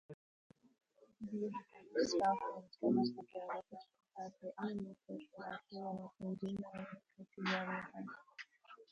Bieži katrs spēlfilmas kadrs tika rotoskopēts, lai animators varētu pievienot savu zīmējumu precīzā vietā.